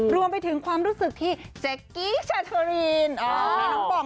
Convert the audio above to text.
รวมไปถึงความรู้สึกที่เจ๊กกี้ชาเชอรีนป่อง